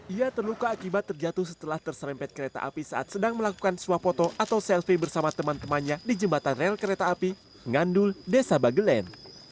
ia terluka akibat terjatuh setelah terserempet kereta api saat sedang melakukan suah foto atau selfie bersama teman temannya di jembatan rel kereta api ngandul desa bagelen